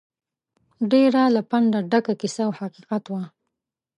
ډېره له پنده ډکه کیسه او حقیقت وه.